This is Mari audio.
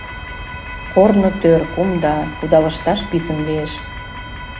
Корно тӧр, кумда, кудалышташ писын лиеш.